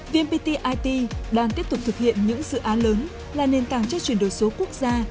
vnpt it đang tiếp tục thực hiện những dự án lớn là nền tảng cho chuyển đổi số quốc gia